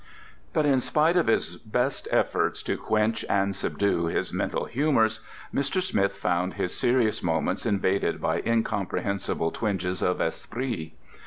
But in spite of his best endeavours to quench and subdue his mental humours, Mr. Smith found his serious moments invaded by incomprehensible twinges of esprit.